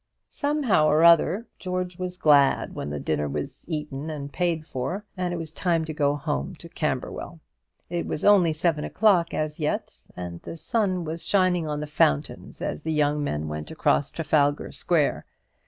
Somehow or other, George was glad when the dinner was eaten and paid for, and it was time to go home to Camberwell. It was only seven o'clock as yet, and the sun was shining on the fountains as the young men went across Trafalgar Square.